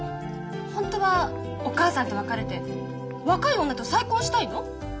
ホントはお母さんと別れて若い女と再婚したいの？